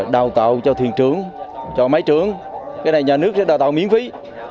đào tạo cho thiền trưởng cho máy trưởng cái này nhà nước sẽ đào tạo miễn phí